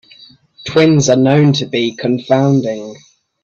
Twins are known to be confounding.